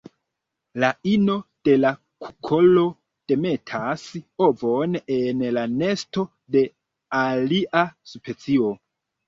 La ino de la kukolo demetas ovon en la nesto de alia specio.